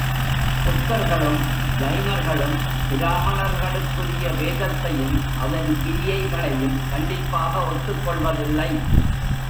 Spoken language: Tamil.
புத்தர்களும், ஜைனர்களும், பிராமணர்களுக்குரிய வேதத்தையும் அதன் கிரியைகளையும் கண்டிப்பாக ஒத்துக்கொள்வதில்லை.